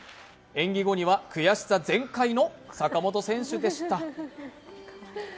演技後には悔しさ全開の坂本選手でした。